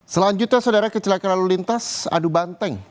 selanjutnya saudara kecelakaan lalu lintas adu banteng